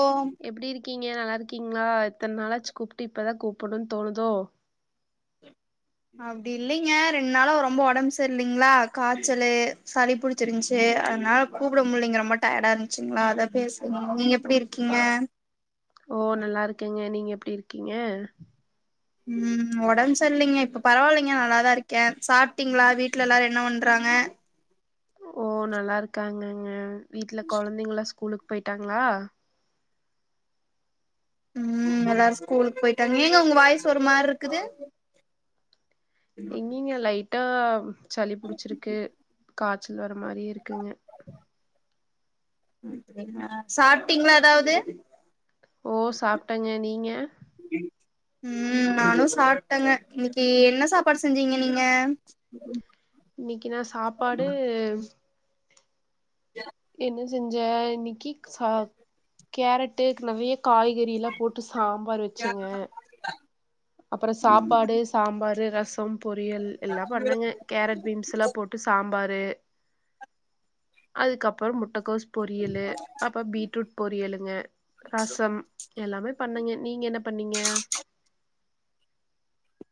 ஓம் கீங்க நல்லாருக்கீங்களா இத்தன நாளாச்சு கூப்ட்டு இப்பதா கூப்டணும்னு தோணுதோ அப்படில்லைங்க ரெண்டு நாளா ரொம்ப உடம்பு செரில்லைங்களா காச்சலு சளி புடிச்சிருச்சு அதனால கூப்ட முலைங்க ரொம்ப டயர்டா இருந்துச்சுங்களா அத பேசல நீங்க எப்படிருக்கீங்க ஓ நல்லாருக்கேங்க நீங்க எப்படி இருக்கீங்க உம் உடம்பு சரிலைங்கா இப்ப பரவாயில்லைங்க நல்லாதா இருக்கே சாப்பிட்டீங்களா வீட்டுல எல்லாரு என்ன பண்றாங்க ஓ நல்லாருக்காங்கங்க வீட்டுல குழந்தைங்கள்லா ஸ்கூலுக் போய்ட்டாங்களா உம் எல்லாரு ஸ்கூலுக்கு போயிட்டாங்க ஏங்க உங்க வாய்ஸ் ஒரு மாருரு க்குது எங்கீங்க லை ட்டா சளி புடிச்சிருக்கு கா ச்சல் வர மாரியே இருக்குங்க சாப்பிட்டீங்களா ஏதாவது ஓ சாப்பிட்டங்க நீங்க உம் நானு சா ப்டங்கா இன்னிக்கி என்ன சாப்பாடு செஞ்சீங்க நீங்க இன்னிக்கி நா சாப்பாடு என்ன செஞ்ச இன்னிக்கி சா கேரட்டு கல வி காய்கறிலா போட்டு சாம்பார் வெச்சங்க அப்புறோ ம் சாப்பாடு சாம்பாரு ரச சம் பொரியல் எல்லா பண்ணாங்க கேரட் பீன்ஸ்லா போட்டு சாம்பாரு அதுக்கப் ஒரு மு கோஸ் பொரியல்லு அப்ப பீட்ரூட் பொரியலுங்க ரசம் எல்லாமே பண்ணங்க நீங்க என்ன பண்ணீங்க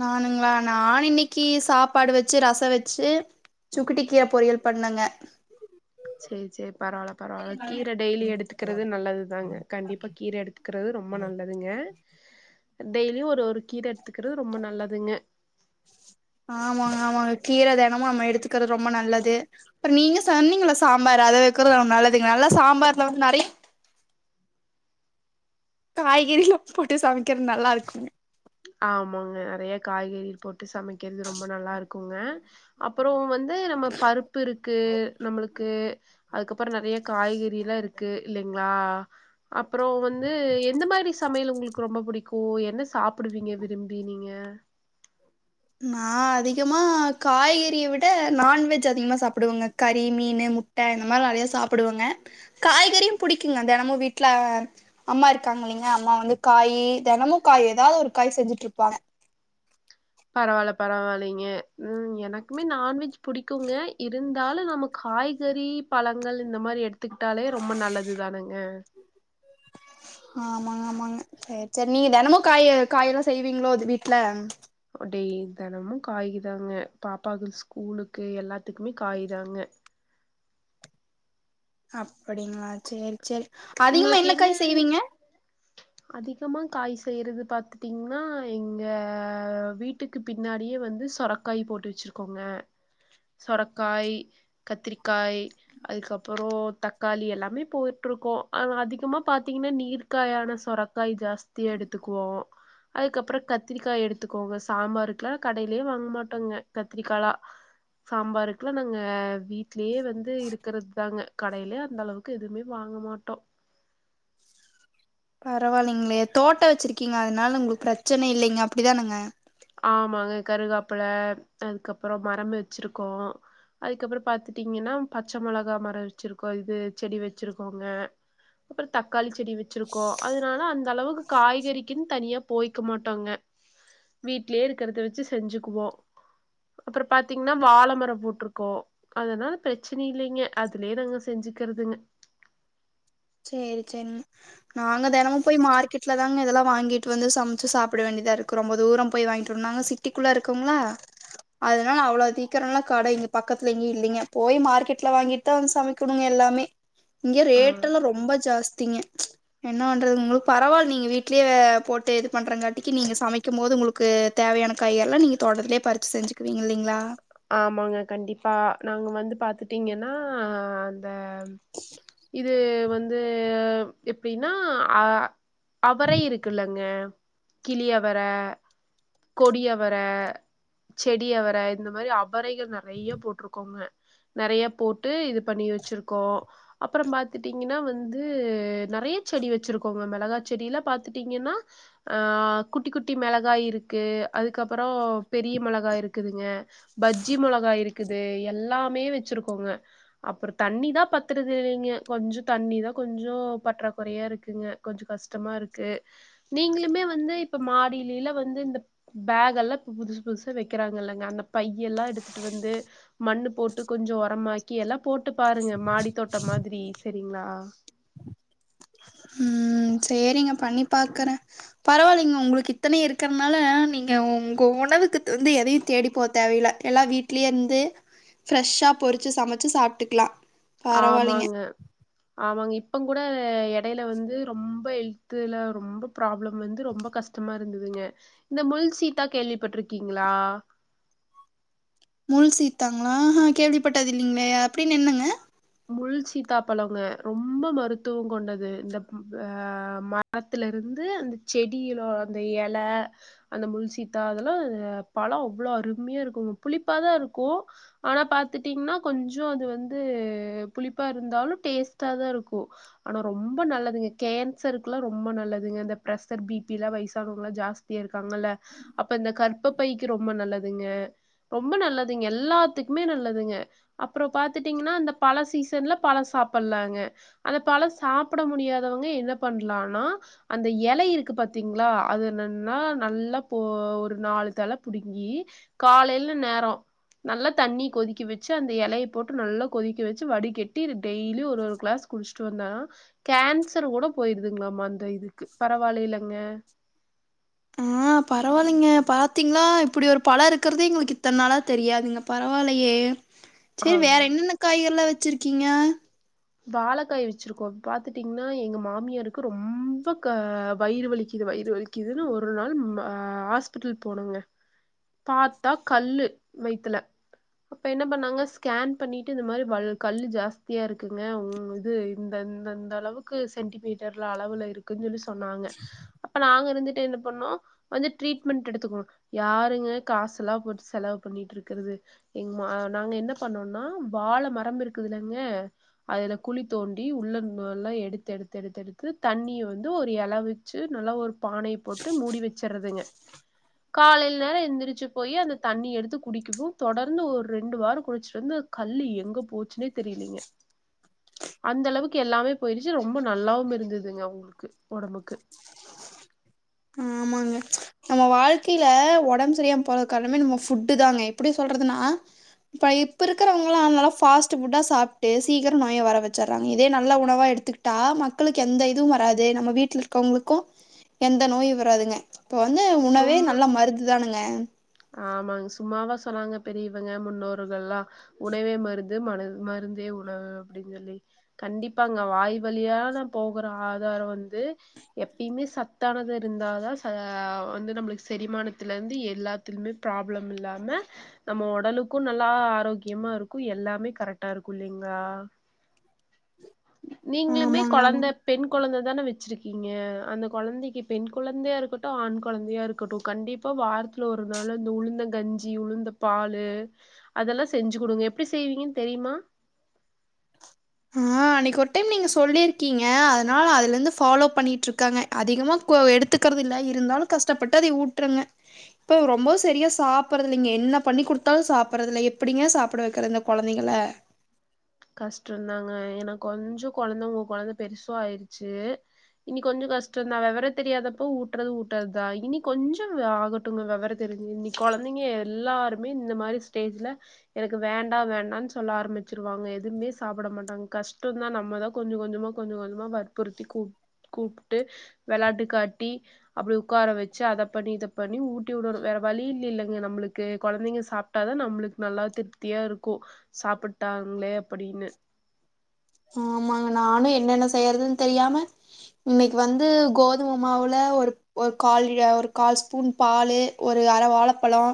நானுங்களா நானு இன்னிக்கி சாப்பாடு வெச்சு ரசோ வெச்சு சுக்கட்டி கீர பொரியல் பண்ணங்க செரி செரி பரவால பரவால கீரை டெய்லி எடுத்துக்கிறது நல்லதுதாங்க கண்டிப்பா கீரை எடுத்துக்கிறது ரொம்ப நல்லதுங்க டெய்லியு ஒரு ஒரு கீர எடுத்துக்கறது ரொம்ப நல்லதுங்க ஆமாங்க ஆமாங்க கீர தினமு நம்ம எடுத்துக்கறது ரொம்ப நல்லது அப்புறோ நீங்க சொன்னீங்கள சாம்பாரு அத வைக்கறது ரொம்ப நல்லதுங்க நல்ல சாம்பார்ல வந்து நெறைய காய்கறிலா போட்டு சமைக்கிறது நல்லா இருக்கு ஆமாங்க நறைய காய்கறி போட்டு சமைக்கிறது ரொம்ப நல்லா இருக்குங்க அப்புறோ வந் து நம்ம பருப்பு இருக்கு நம்மளுக்கு அதுக்கப்புறோ நறைய காய்கறிலா இருக்கு இல்லைங் ஆஹ் அப் [unintelligible] றோ வந்து எந்த மாரி சமையல் உங்களுக்கு ரொம்ப பிடிக்கு ஓ என்ன சாப் சாப்பிடுவீங்க விரும்பி நீங்க நா அதிகமா காய்கறியை விட நான்வெஜ் அதிகமா சாப்பிடுவங்க கறி மீனு முட்ட இந்த மாரி நெறைய சாப்பிடுவங்க காய்கறியும் புிடிக்குங்க தெனமு வீட்ல அம்மா இருக்காங்க இல்லைங்க அம்மா வந்து காய் தெனமு காய் ஏதாது ஒரு காய் செஞ்சுட்டு இருப்பாங்க பரவால்ல பரவால்லைங்க ம் எனக்குமே நான்வெஜ் புடிக்குங்க இருந்தாலும் நம்ம காய்கறி பழங்கள் இந்த மாரி எடுத்துக்கிட்டாலே ரொம்ப நல்லது தானுங்க ஆமாங்க ஆமாங்க சேர் சேரி நீங்க தெனமு காய காய் எல்லாம் செய்வீங்களோ அது வீட்டு்ல அப்டி தெனமு காய்குதாங்க பாப்பாக்கு ஸ்கூலுக்கு எல்லாத்துக்குமே காய்தாங்க அப்படிங்களா சேரி சேரி அதிகமா என்ன காய் செய்வீங்க செய்யது பார்த்துட்டீங்கன்னா எங்க வீட்டுக்கு பின்னாடியே வந்து சுரக்காய் போட்டு வச்சருக்கோங்க சுரைக்காய் கத்திரிக்காய் அதுக்கப்புறம் தக்காளி எல்லாமே போய்ட்டுருக்கோம் அதிகமா பார்த்தீங்கன்னா நீர்க காயான சுரக்காய் ஜாஸ்தியாக எடுத்துக்குவோம் அதுக்கப்புறம் கத்திரிக்காய் எடுத்துக்கோங்க சாம்பாருக்குெல்லாம் கடையிலயே வாங்க மாட்டோங்க கத்திரிக்காய்லாம் சாம்பாருக்குல்லாம் நாங்க வீ வீட்லயே வந்து இருக்கிறது தாங்க கடையில அந்தளவுக்கு எதுமே வாங்க மாட்டோம் பரவாயில்லைங்களையே தோட்ட வச்சிருக்கீங்க அதனால உங்களுக்கு பிரச்சனை இல்லைங்க அப்படி தானுங்க ஆமாங்க கருகாப்பில அதுக்கப்புறம் மரம் வச்சிருக்கோம் அதுக்கப்புறம் பாத்துட்டீங்கன்னா பச்சை மிளகாய் மரம் வச்சிருக்கோம் இது செடி வச்சிருக்கோங்க அப்புறம் தக்காளி செடி வச்சிருக்கோம் அதனால அந்த அளவுக்கு காய்கறிக்குன்னு தனியா போய்க்க மாட்டோங்க வீடலேயே இருக்கிறத வச்சு செஞ்சுக்குவோம் அப்புறம் பாத்தீங்கன்னா வாழை மரம் போட்டிருக்கோம் அதனால பிரச்சனை இல்லைங்க அதுலயே நாங்க செஞ்சுக்கிறதுங்க சேரி சேரிங்க நாங்க தினமும் போய் மார்க்கெட்ல தாங்க இதெல்லாம் வாங்கிட்டு வந்து சமைச்சு சாப்பிட வேண்டியதா இருக்கு ரொம்ப தூரம் போய் வாங்கிட்டுணும் நாங்க சிட்டிக்குள்ள இருக்குோங்களா அதனால அவ்வளவு தீக்கிரம்லாம் கடை இங்க பக்கத்துல எங்கயும் இல்லைங்க போய் மார்க்கெட்ல வாங்கிட்டுதான் வந்து சமைக்கணுங்க எல்லாமே இங்கே ரேட் ஆ ட்டல்லாம் ரொம்ப ஜாஸ்தி த்தீங்க என்ன பண்றது உங்களுக்கு பரவாயில்ல நீங்க வீட்லயே போட்டு இது பண்றங்காட்டிக்கு நீங்க சமைக்கும் போது உங்களுக்கு தேவையான காயெல்லாம் நீங்க தோட்டத்திலே பறிச்சி செஞ்சுக்குவீங்க இல்லைங்களா ஆமாங்க கண்டிப்பா நாங்க வந்து பாத்துட்டீங்கன்னா இது வந்து வந்து எப்படின்னா அஹ அவரை இருக்குல்லங்க கிளியவர கொடியவர செடியவர இந்த மாரி அவறைக நெறைய போட்டிருக்கோங்க நெறைய போட்டு இது பண்ணி வச்சிருக்கோம் அப்புறம் பார்த்துட்டீங்கன்னா வந்து நெறைய செடி வச்சிருக்கோங்க மிளகா செடியில பார்த்துட்டீங்கன்னாஹ குட்டி குட்டி மிளகாய் இருக்கு அதுக்கப்புறம் பெரிய மிளகாய் இருக்குதுங்க பஜ்ஜி மிளகாய் இருக்குது எல்லாமே வச்சிருக்கோங்க அப்புறம் தண்ணிதான் பத்துறது இல்லைங்க கொஞ்சம் தண்ணிதான் கொஞ்சம் பற்றாக்குறையா இருக்குங்க கொஞ்சம் கஷ்டமா இருக்கு நீங்களுமே வந்து இப்ப மாடியிலில வந்து இந்த பேக் எல்லாம் இப்ப புதுசு புதுசா வைக்கிறாங்க இல்லைங்க அந்த பையெல்லாம் எடுத்துட்டு வந்து மண்ணு போட்டு கொஞ்சோ உரமாக் [unintelligible] போட்டு பாருங்க மாடி தோட்டம் மாரி செரிங்ளா ம் செரிங்க பண்ணி பாக்குறே பரவாயில்லைங்க உங்களுக்கு இத்தனையு இருக்கிறனால நீங்க உங்க உணவுக்கு வந்து எதையும் தேடிப்ப தேவல எல்லாம் வீட்லயே இருந்து ஃப்ரெஷ்ஷா பொறிச்சு சமைச்சு சாப்ட்டுக்கலாம் ஆமாங்க ஆமாங்க இப்ப கூட எ கடைல வந்து ரொம்ப ஹெல்தல ரொம்ப ப்ராப்ளம் வந்து ரொம்ப கஷ்டமா இருந்ததுங்க இந்த முல் சீதா கேள்விப்பட்டிருக்கீங்களா மூல் சீத்தாங்களாஹ கேள்விப்பட்டது இல்லலைங்களையா அப்டின்னு என்னங்க முள் சீதா பழங்க ரொம்ப மருத்துவம் கொண்டது இந்தஹ மரத்தல இருந்து அந்த செடியில அந்த இலை அந்த முள் சீதா அதெல்லாம் பழம் அவ்ளோ அருமையா இருக்கும்ங்க புளிப்பா தான் இருக்கூ ஆனா பார்த்துட்டீங்கன்னா கொஞ்சோ அது வந்து புளிப்பா இருந்தாலும் டஸ்ட தான் இருக்கூ ஆனா ரொம்ப நல்லது கேன்சருல்லா ரொம்ப நல்லதுங்க இந்த பரிஷர் பீபி வயசானவங்காம் ஜாஸ்தியா இருக்காங்க அப்ப இந்த கற்ப பைக்கு ரொம்ப நல்லது ரொம்ப நல்லதுல்லாத்து எல்லதுக்குமே அப்பறோ பாத்துட்டீங்கன்னா பல சீசன்ல பழ சாப்டலாங்க அந்த பல சாப்ட முடியாதவங்க என்ன பண்ணலாண இலை இருக்கு பா்த்தீங்களா அது என்னன்னா நல்லா போ ஒரு நாலு தழ புடுங்கி காலைல நேரோ நல்லா தண்ணி கொதிக்க வச்சு அந்த எலைய போட்டு நல்லா கொதிக்க வச்சு வடி கட்டி டெய்லி ஒரு ஒரு கிளாஸ் குடிச்சுட்டு வந்தான கேன்சர் கூட போயிருதுங்களாம அந்த இதுக்கு பரவாயில்லங்க ஆஹ் பரவாயில்லைங்க பாத்தீங்களா இப்டி ஒரு பழம் இருக்கதே எங்களுக்கு இத்தனை நாளா தெரியாாதீங்க பரவாயிலயே செரி வேற ஆமாங்க என்னென்ன காய் எல்லாம் வச்சு வச்சிருக்கீங்க வாழக்காய் வச்சிருக்கோ பாத்துட்டீங்கன்னா எங்க மாமியாருக்கு ரொம்ப அ வயிறு வலிக்குது வயிறு வலிக் க்குதுன்னு ஒரு நாள் [unintelligible] ஹாஸ்பிட்டல் போனங்க பத்த கல்லு வய்த்துல என்ன பண்ணாங்க ஸ்கேன் பண்ணிட்டு இந்த மாரி கல்லு ஜாஸ்தியா இருக் இருங்க உ இது இந்தந்தந்த அளவுக்கு சென்டிமீட்டர்ல அளவு இருக்குன்னு சொல்லி சொல் சொன்னாங்க அப்ப நாங்க இருந்து என்ன பண்ணம் வந்து ட்ரீட்மெண்ட் எடுத்துக்கணும் யாருங்க காசு எல்லாம் போ செலவு பண்ணிட்டு இருக்கிறது எங்க நாங்க என்ன பண்ணோம்னா வாழை மரம் இருக்குதுலங்க அதுல குழி தோண்டி உள்ள எல்லாம் எடுத்து எடுத்து எடுத்து எடுத்து தண்ணிய வந்து ஒரு இலவிச்சு நல்லா ஒரு பானைய போட்டு மூடி வச்சறதுங்க காலைல எழுந்திரிச்சு போய் அந்த தண்ணி எடுத்து குடிக்குவோ தொடர்ந்து ஒரு ரெண்டு வாரம் குடிச்சிட்டு வந்து அந்த கல் எங்க போச்சுன்னே தெரியலீங்க அந்த அளவுக்கு எல்லாமே போயிருச்சு ரொம்ப நல்லாவும் இருந்ததுங்க ஒடம்புக்கு ஆமாங்க. நம்ம வாழ்க்கையில ஒடம்பு செரியாம போற காரமே நபட்டு தாங்க எப்படி சொல்றதுனா இ இப்ப இருக்கிறவங்கால்ா சாப்பிட்டு சீக்கரோ நோய வர வச்சடுறாங்க இதே நல்ல உணவா எடுத்துக்கிட்டா மக்களுக்கு எந்த இதுவும் வராது நம்ம வீட்டுல இருக்கவங்களுக்கூ எந்த நோய வ துங்க இப்ப வந்து உணவே சும்மா நல்ல மருந்துதானுங்க ஆமாங்க சும்மாவா சொன்னாங்க பெரிய இவங்க முன்னோர்கள்லா உணவே மருந் ம மருந்தே உணவு அப்படின்னு சொல்லி கண்டிப்பா அங்க வாய் வழியா நான் போகற ஆதாரம் வந்து எப்பயுமே சத்தானது இருந்தாதான் வந்து நம்மளுக்கு செரிமானத்துல இருந்து எல்லா ப்ராப்ளம் இல்லாம நம்ம ஒடலுக்கும் நல்லா ஆரோக்கியமா இருக்கும் எல்லாமே கரெக்டா இருக்கும் இல்லலைங்ள நீங்களுமே ஆமாங்க ஆமா. கொழந்த பெண் கொழந்த தானே வச்சிருக்கீங்க அந்த கொழந்தைக்கு பெண் கொழந்தையா இருக்கட்டும் ஆண் கொழந்தையா இருக்கட்டும் கண்டிப்பா வாரத்துல ஒரு நாாள அந்த உளுந்த கஞ்சி உளுந்த பால அதெல்லாம் செஞ்சு கொடுங்க எப்படி செய்வீங்கன்னு தெரியுமா ஆஹ் அன்னைக்கு ஒருட்டடைம் நீங்க சொல்லிருக்கீங்க அதனால அதுல இருந்து ஃபாலோ பண்ணிட்டு இருக்காங்க அதிகமா எடுத்துக்கறத இல்ல்ல இருந்தாலும் கஷ்டப்பட்டு அதை ஊட்டுருங்க இப்ப ரொம்ப சரியா சாப்பறதுில்ல்லைங்க என்ன பண்ணி குடுத்தாலும் சாப்படுறதுல்ல எப்டிங்க சாப்பிட வைக்கிறதுது இந்த கொழந்தைக கஷ்டம் இருந்தாங்க எனக்கு கொஞ்சோ குழந்த உங்க கொழந்தை பெருசும் ஆயிடுச்சு இனி கொஞ்சோ கஷ்டம் இருந்தா விவர தெரியாதப்ப ஊட்டுறது ஊட்டுறதுதா இனி கொஞ்சோ ஆகட்டும்ங்க விவர தெரிஞ்சு இனி கொழந்தைங்க எல்லாருமே இந்த மாரி ஸ்டேஜ்ல எனக்கு வேண்டாம் வேண்டாம்னு சொல்ல ஆரம்பிச்சிருவாங்க எதுவுமே சாப்பிட மாட்டாங்க கஷ்டம் தான் நம்ம தான் கொஞ்சம் கொஞ்சமா கொஞ்சம் கொஞ்சமா வற்புறுத்தி கூப்பிட்டு வெளையாட்டு காட்டி அப்படி உட்கார வச்சு அதை பண்ணி இத பண்ணி டனு வேற வழலி இல்லைங்க ங்க நம்பூல்கு குழந்தைங்க சாப்பிட்டாதா நம்மளுக்கு நல்லா திருப்தியா இருக்கு சாப்பிட்டாங்களே அப்படின்னு ஆமாங்க நானு என்னென்ன செய்யறதுன்னு தெரியாம இன்னைக்கு வந்து கோதுமை மாவுல ஒரு கால் ஒரு கால் ஸ்பூன் பால் ஒரு அர வாழைப்பழம்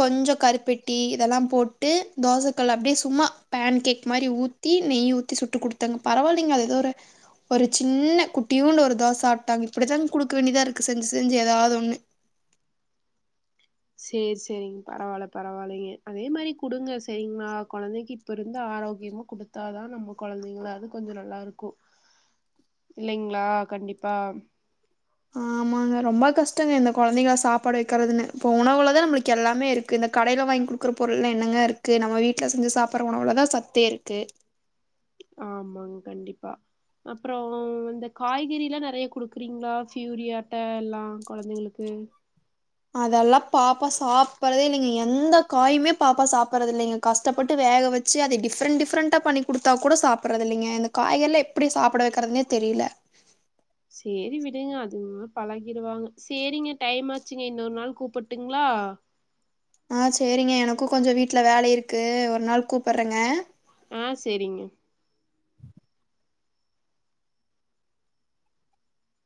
கொஞ்சோ கருப்பெட்டி இதெல்லா போட்டு தோசைக்கல் அப்படியே சும்மா பேன் கேக் மாரி ஊத்தி நெய் ஊத்தி த்தி சுட்டு குடுத்தாங்க பரவாயில்லைங்க அது ஏதோ ஒரு ஒரு சின்ன குட்டியுன்டு ஒரு தோச சாப்பிட்டாங்க இப்படித்தாங்க குடுக்க வேண்டியதா இருக்கு செஞ்சு செஞ்சு ஏதாது ஒண்ணு செரி செரிங் பரவால பரவாலைங்க அதே மாரி டுங்க சரிங்களா குழந்தைக்கு இப்ப இருந்து ஆரோக்கியமா குடுத்தாதா நம்ம குழந்தைங்களது கொஞ்சோ நல்லா இருக்கு இல்லைங்களா கண்டிப்பா ஆமாங்க ரொம்ப கஷ்டோங்க இந்த குழந்தைகள சாப்பாடு வைக்கறிறதுன்னு இப்ப உணவுலதா நம்மளுக்கு எல்லாமே இருக்கு இந்த கடையில வாங்கி குடுக்குற பொருள்ல்லா என்னங்க இருக்கு நம்ம வீட்டுல செஞ்சு சாப்பிடுற உணவுலதா சத்தே இருக்கு ஆமாங்க கண்டிப்பா அப்ரோ இந்த காய்கறி எல்லா நறைய குடுக்குறீங்களா பியூரியாட்ட எல்லா குழந்தைங்களுக்கு- அதெல்லா பாப்பா சாப்படறதுே இல்லைங்க எந்த காயுமே பாப்பா சாப்பிடுறது இல்ல்லைங்க கஷ்டப்பட்டு வேக வச்சு அத டிஃப்ரெண்டட் டிஃப்ரெண்டா பண்ணி குடுத்தா கூட சாப்பிடுறது இலைங்க இந்த காய்க எல்லா எப்படி சாப்பிட வைக்கறதுனே தெரியல செரி விடுங்க அதுவா பழகிருவாங்க சரிங்க டைம் ஆச்சுங்க இன்னொரு நாள் கூப்பிட்டுங்களா- ஆஹ் சரிங்க எனக்கு கொஞ்சோ வீட்டுல வேல இருக்கு ஒரு நாள் கூப்பிடுறங்க ஆஹ் சரிங்க